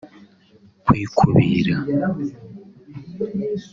kwikubira